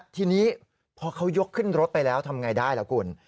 ทีนี้พอเขายกขึ้นรถไปแล้วทำอย่างไรได้ล่ะกุ่น